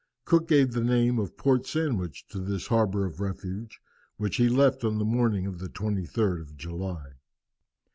Cook gave the name of Port Sandwich to this harbour of refuge, which he left on the morning of the 23rd of July.